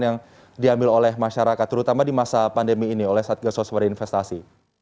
yang diambil oleh masyarakat terutama di masa pandemi ini oleh satgas waspada investasi